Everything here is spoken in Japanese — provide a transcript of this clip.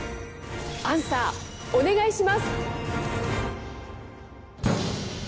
アンサーお願いします！